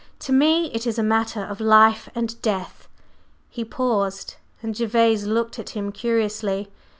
"To me it is a matter of life and death." He paused, and Gervase looked at him curiously.